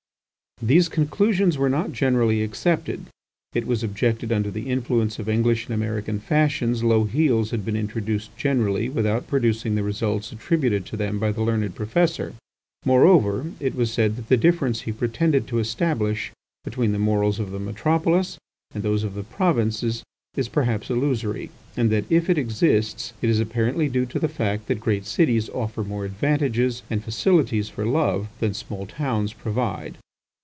These conclusions were not generally accepted. It was objected that under the influence of English and American fashions, low heels had been introduced generally without producing the results attributed to them by the learned Professor; moreover, it was said that the difference he pretended to establish between the morals of the metropolis and those of the provinces is perhaps illusory, and that if it exists, it is apparently due to the fact that great cities offer more advantages and facilities for love than small towns provide.